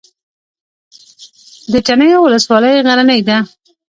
د تڼیو ولسوالۍ غرنۍ ده